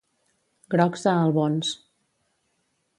Grocs a Albons.